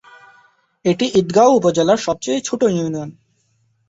এটি ঈদগাঁও উপজেলার সবচেয়ে ছোট ইউনিয়ন।